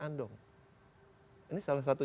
andong ini salah satu